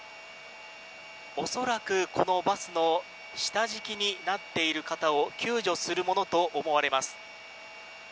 恐らく、このバスの下敷きになっている方を救助するものと思われます。